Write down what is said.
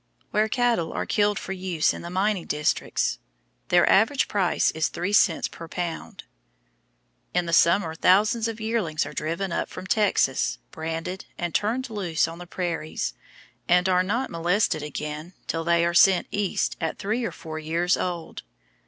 Where cattle are killed for use in the mining districts their average price is three cents per lb. In the summer thousands of yearlings are driven up from Texas, branded, and turned loose on the prairies, and are not molested again till they are sent east at three or four years old.